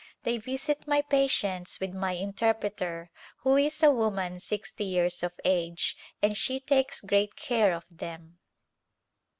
They visit my patients with my inter preter, who is a woman sixty years of age, and she takes great care of them.